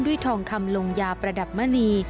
ทองคำลงยาประดับมณี